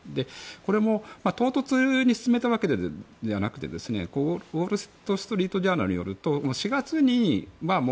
これも唐突に進めたわけではなくてウォール・ストリート・ジャーナルによると４月には